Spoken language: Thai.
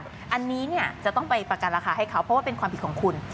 อันนี้เนี่ยจะต้องไปประกันราคาให้เขาเพราะว่าเป็นความผิดของคุณ